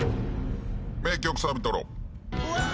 名曲サビトロ。